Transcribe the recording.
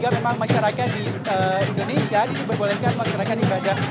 memang masyarakat di indonesia diperbolehkan melaksanakan ibadah